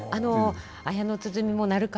「綾の鼓」も「鳴神」